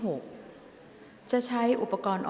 ออกรางวัลเลขหน้า๓ตัวครั้งที่๒